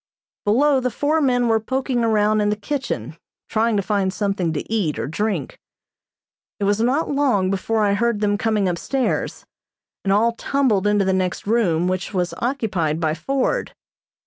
Below the four men were poking around in the kitchen, trying to find something to eat or drink. It was not long before I heard them coming upstairs, and all tumbled into the next room, which was occupied by Ford.